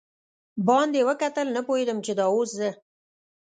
باندې وکتل، نه پوهېدم چې دا اوس زه.